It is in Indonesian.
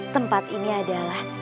tempat ini adalah